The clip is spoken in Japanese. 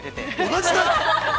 ◆同じだ。